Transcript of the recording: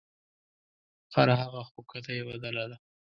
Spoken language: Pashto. خرهغه خو کته یې بدله ده .